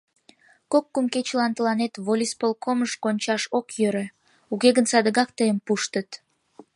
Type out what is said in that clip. Кок-кум кечылан тыланет волисполкомыш кончаш ок йӧрӧ, уке гын садыгак тыйым пуштыт...